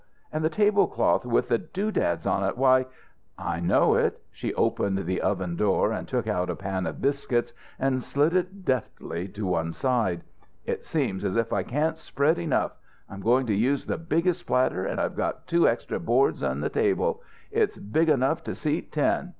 And the tablecloth with the do dads on it. Why " "I know it" She opened the oven door, took out a pan of biscuits and slid it deftly to one side. "It seems as if I can't spread enough. I'm going to use the biggest platter, and I've got two extra boards in the table. It's big enough to seat ten.